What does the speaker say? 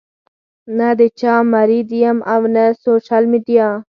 نۀ د چا مريد يم او نۀ سوشل ميډيا